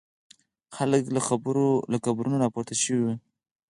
خلک له قبرونو را پورته شوي وي.